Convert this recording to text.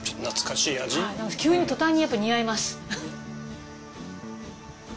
急に途端にやっぱ似合います。